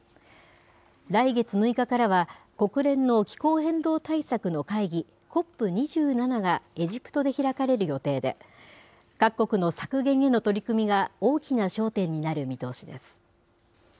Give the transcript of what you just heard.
来月６日からは、国連の気候変動対策の会議、ＣＯＰ２７がエジプトで開かれる予定で、各国の削減への取り組みが大きな焦点になる見通しです。